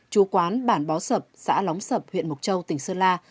chú quán bản bó sập xã lóng sập huyện mộc châu tỉnh sơn la